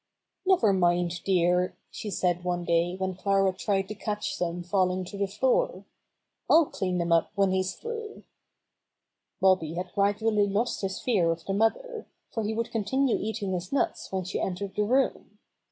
"Never mind, dear," she said one day when Clara tried to catch some falling to the floor. "I'll clean them up when he's through 1" Bobby had gradually lost his fear of the mother, for he would continue eating his nuts when she entered the room.